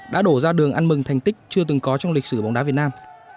đã đổ ra đường ăn mừng thành tích chưa từng có trong lịch sử bóng đá việt nam